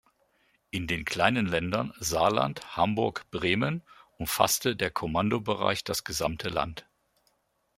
In den kleinen Ländern Saarland, Hamburg, Bremen umfasste der Kommandobereich das gesamte Land.